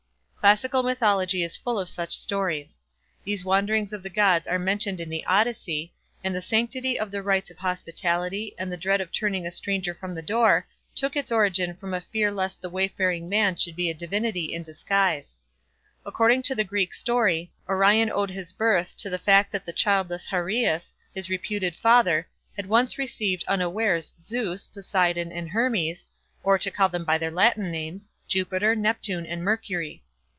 Classical mythology is full of such stories. These wanderings of the Gods are mentioned in the Odyssey, and the sanctity of the rites of hospitality, and the dread of turning a stranger from the door, took its origin from a fear lest the wayfaring man should be a Divinity in disguise. According to the Greek story, Orion owed his birth to the fact that the childless Hyrieus, his reputed father, had once received unawares Zeus, Poseidon, and Hermes, or, to call them by their Latin names, Jupiter, Neptune, and Mercury.